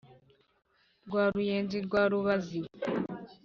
rwa ruyenzi rwa rubazi,